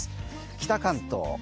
北関東。